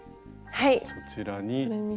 そちらに。